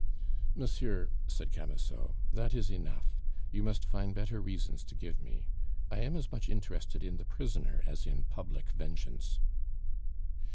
"Monsieur," said Camusot, "that is enough. You must find better reasons to give me. I am as much interested in the prisoner as in public vengeance."